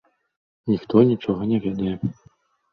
Ніхто нічога не ведае.